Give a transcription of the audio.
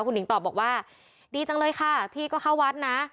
คุณหิงตอบบอกว่าดีจังเลยค่ะพี่ก็เข้าวัดนะ